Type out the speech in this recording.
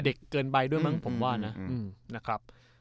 เด็กเกินไปด้วยมั้งผมว่านะ